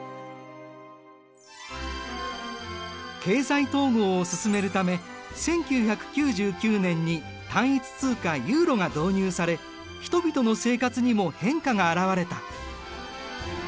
経済統合を進めるため１９９９年に単一通貨ユーロが導入され人々の生活にも変化が現れた。